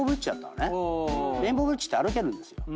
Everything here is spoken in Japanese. レインボーブリッジって歩けるんですよ。